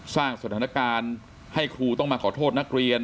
สร้างสถานการณ์ให้ครูต้องมาขอโทษนักเรียน